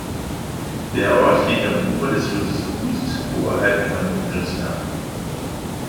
Der Ort liegt am Ufer des Flusses Oust oberhalb von Josselin.